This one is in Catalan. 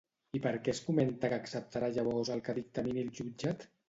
I per què es comenta que acceptarà llavors el que dictamini el jutjat?